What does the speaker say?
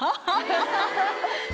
ハハハハ。